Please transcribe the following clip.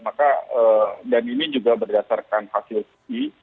maka dan ini juga berdasarkan hasil studi